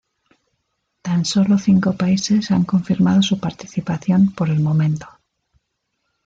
Tan solo cinco países han confirmado su participación por el momento.